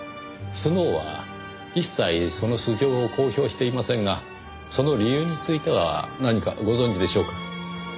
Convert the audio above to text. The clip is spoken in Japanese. スノウは一切その素性を公表していませんがその理由については何かご存じでしょうか？